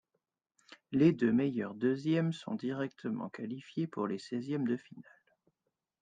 Les deux meilleurs deuxièmes sont directement qualifiés pour les seizièmes de finale.